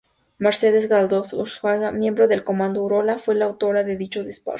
Mercedes Galdós Arsuaga, miembro del comando "Urola", fue la autora de dichos disparos.